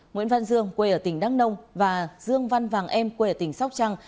nguyễn văn dương quê ở tỉnh đăng nông và dương văn vàng em quê ở tỉnh sóc trăng